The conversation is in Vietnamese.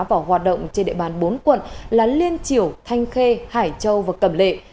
vào hoạt động trên địa bàn bốn quận là liên triểu thanh khê hải châu và cầm lệ